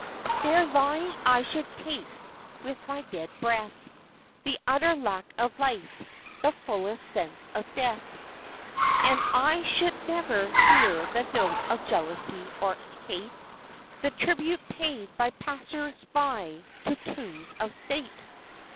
There lying I should taste with my dead breath The utter lack of life, the fullest sense of death; And I should never hear the note of jealousy or hate, The tribute paid by passersby to tombs of state.